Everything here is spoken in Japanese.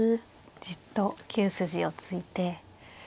じっと９筋を突いて。